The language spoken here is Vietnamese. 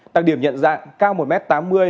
đặc điểm nhận dạng cao một m tám mươi